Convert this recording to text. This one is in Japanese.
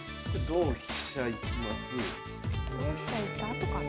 同飛車いったあとかな？